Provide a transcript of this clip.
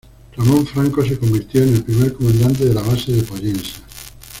Ramón Franco se convirtió en el primer comandante de la base de Pollensa.